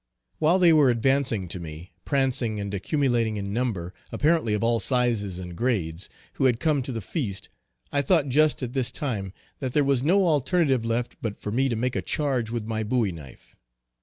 While they were advancing to me, prancing and accumulating in number, apparently of all sizes and grades, who had come to the feast, I thought just at this time, that there was no alternative left but for me to make a charge with my bowie knife.